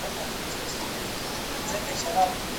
ذهن د زده کړې مرکز دی.